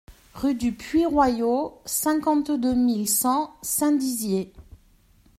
Rue du Puits Royau, cinquante-deux mille cent Saint-Dizier